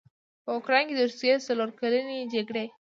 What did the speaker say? په اوکراین کې د روسیې څلورکلنې جګړې